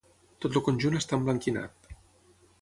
Tot el conjunt està emblanquinat.